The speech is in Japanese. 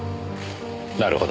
なるほど。